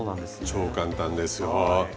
超簡単ですよ。